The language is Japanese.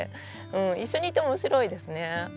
一緒にいて面白いですね。